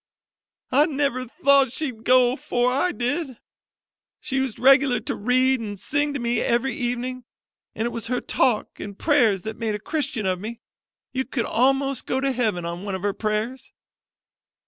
"I never thought she'd go afore I did. She used regular to read an' sing to me every evening, an' it was her talk an' prayers that made a Christian of me: you could a'most go to heaven on one of her prayers."